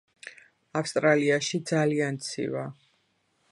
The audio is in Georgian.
ავსტრალიაში ძალიან ცივა